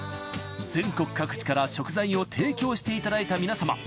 全国各地から食材を提供していただいた皆様